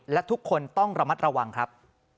และทุกคนต้องระมัดระวังครับ